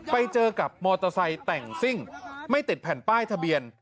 ไปเจอกับมอเตอร์ไซค์แต่งซิ่งไม่ติดแผ่นป้ายทะเบียน